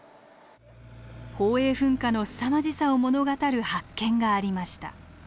宝永噴火のすさまじさを物語る発見がありました。